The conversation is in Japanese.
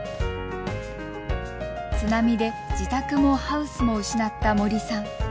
津波で自宅もハウスも失った森さん。